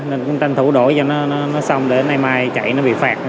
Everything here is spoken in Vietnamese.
nên cũng tranh thủ đổi cho nó xong để hôm nay mai chạy nó bị phạt